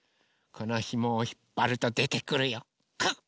このひもをひっぱるとでてくるよ。